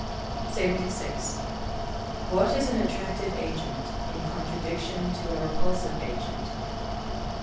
76. _What is an attractive agent, in contradistinction to a repulsive agent?